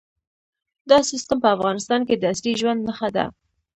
دا سیستم په افغانستان کې د عصري ژوند نښه ده.